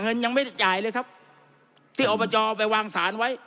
ยังไม่ได้จ่ายเลยครับที่อบจไปวางสารไว้